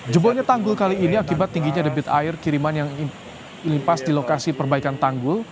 jebolnya tanggul kali ini akibat tingginya debit air kiriman yang dilimpas di lokasi perbaikan tanggul